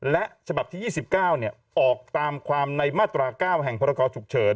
และฉบับที่๒๙ออกตามความในมาตรา๙แห่งพรกรฉุกเฉิน